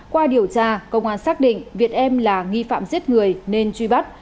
qua điều tra công an xác định việt em là nghi phạm giết người nên truy bắt